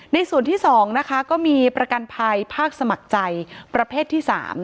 ในส่วนที่๒นะคะก็มีประกันภัยภาคสมัครใจประเภทที่๓